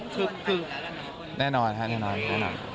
คือบ้านเสร็จหมดแล้วนะครับคุณพี่แน่นอนค่ะแน่นอนค่ะ